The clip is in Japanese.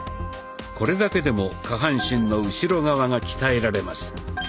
これだけでも下半身の後ろ側が鍛えられます。